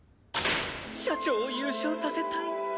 社長を優勝させたい。